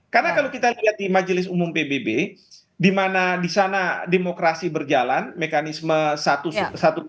karena kalau kita lihat di majelis umum pbb di mana di sana demokrasi berjalan mekanisme demokrasi berjalan